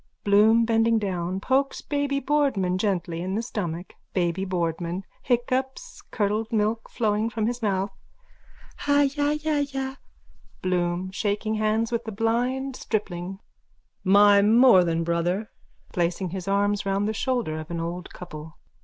(Bloom, bending down, pokes Baby Boardman gently in the stomach.) BABY BOARDMAN: (Hiccups, curdled milk flowing from his mouth.) Hajajaja. BLOOM: (Shaking hands with a blind stripling.) My more than Brother! _(Placing his arms round the shoulders of an old couple.)